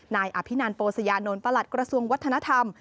นายอภินันโปสยานนท์ประหลัดกระทรวงวัฒนธรรม